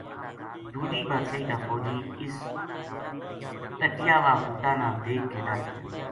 دوجی بادشاہی کا فوجی اس پٹیا وا بوٹا نا دیکھ کے ڈر گیا